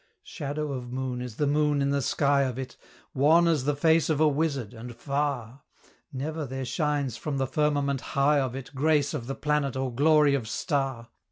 Shadow of moon is the moon in the sky of it Wan as the face of a wizard, and far! Never there shines from the firmament high of it Grace of the planet or glory of star.